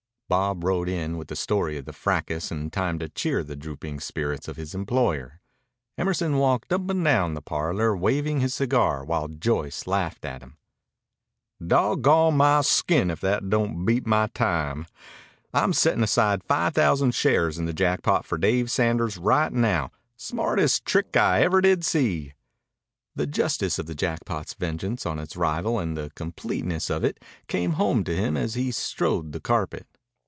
Bob rode in with the story of the fracas in time to cheer the drooping spirits of his employer. Emerson walked up and down the parlor waving his cigar while Joyce laughed at him. "Dawggone my skin, if that don't beat my time! I'm settin' aside five thousand shares in the Jackpot for Dave Sanders right now. Smartest trick ever I did see." The justice of the Jackpot's vengeance on its rival and the completeness of it came home to him as he strode the carpet.